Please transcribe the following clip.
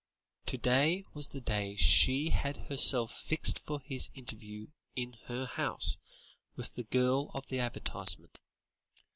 to day was the day she had herself fixed for his interview in her house with the girl of the advertisement.